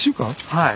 はい。